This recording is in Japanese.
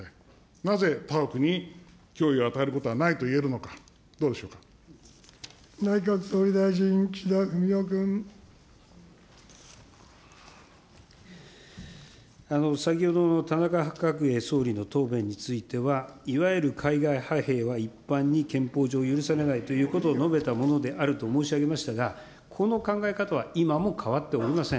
なぜ他国に脅威を与えることはな内閣総理大臣、先ほどの田中角栄総理の答弁については、いわゆる海外派兵は一般に憲法上許されないということを述べたものであると申し上げましたが、この考え方は今も変わっておりません。